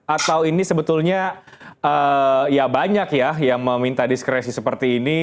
atau ini sebetulnya ya banyak ya yang meminta diskresi seperti ini